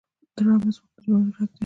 ډرامه زموږ د ټولنې غږ دی